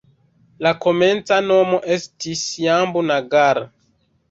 La komenca nomo estis "Jambu-Nagar".